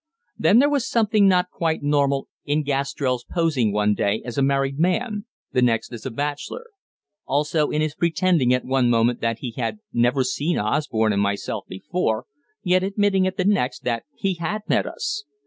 Then there was something not quite normal in Gastrell's posing one day as a married man, the next as a bachelor; also in his pretending at one moment that he had never seen Osborne and myself before, yet admitting at the next that he had met us.